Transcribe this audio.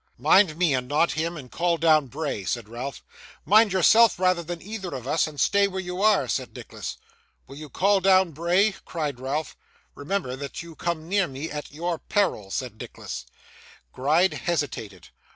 'Mind me, and not him, and call down Bray,' said Ralph. 'Mind yourself rather than either of us, and stay where you are!' said Nicholas. 'Will you call down Bray?' cried Ralph. 'Remember that you come near me at your peril,' said Nicholas. Gride hesitated.